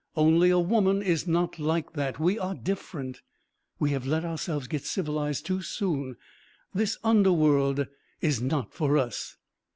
Only a woman is not like that. We are different. We have let ourselves get civilised too soon. This underworld is not for us."